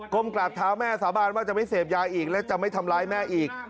กราบเท้าแม่สาบานว่าจะไม่เสพยาอีกและจะไม่ทำร้ายแม่อีก